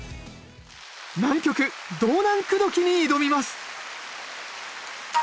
難曲「道南口説」に挑みます